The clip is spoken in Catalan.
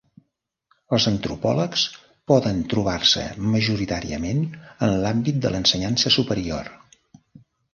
Els antropòlegs poden trobar-se majoritàriament en l'àmbit de l'ensenyança superior.